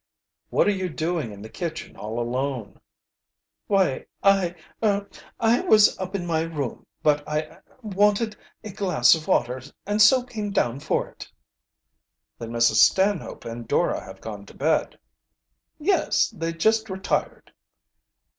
"What are you doing in the kitchen all alone?'" "Why, I er I was up in my room, but I er wanted a glass of water and so came down for it." "Then Mrs. Stanhope and Dora have gone to bed?" "Yes, they just retired."